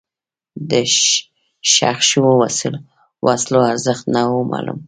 د ښخ شوو وسلو ارزښت نه و معلوم.